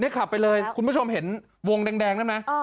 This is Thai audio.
เนี่ยขับไปเลยคุณผู้ชมเห็นวงแดงแดงน่ะไหมอ่า